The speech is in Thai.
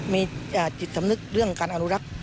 มีจิตสำนึกเรื่องการอนุรักษ์